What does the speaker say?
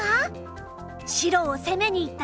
白を攻めにいったね。